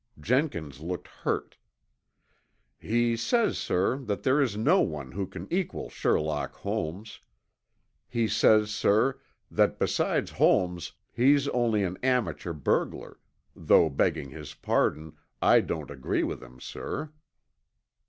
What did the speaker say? Jenkins looked hurt. "He says, sir, that there is no one who can equal Sherlock Holmes. He says, sir, that beside Holmes he's only an amateur burglar, though begging his pardon, I don't agree with him, sir."